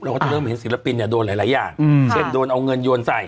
ก็จะเริ่มเห็นศิลปินเนี่ยโดนหลายอย่างเช่นโดนเอาเงินโยนใส่